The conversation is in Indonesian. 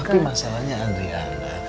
tapi masalahnya adriana